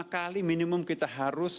lima kali minimum kita harus